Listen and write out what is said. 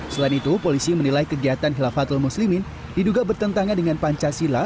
selain itu polisi menilai kegiatan hilafatul muslimin diduga bertentangan dengan pancasila